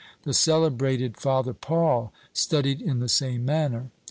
The celebrated Father Paul studied in the same manner.